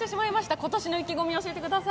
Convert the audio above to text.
今年の意気込みを教えてください。